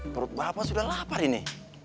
perut bapak sudah lapar ini